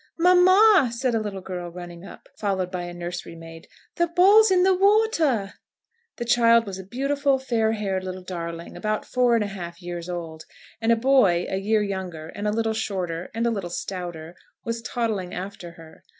"Mamma," said a little girl, running up, followed by a nursery maid, "the ball's in the water!" The child was a beautiful fair haired little darling about four and a half years old, and a boy, a year younger, and a little shorter, and a little stouter, was toddling after her.